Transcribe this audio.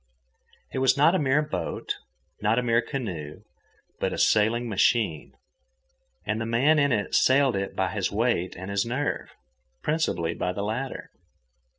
It was not a mere boat, not a mere canoe, but a sailing machine. And the man in it sailed it by his weight and his nerve—principally by the latter.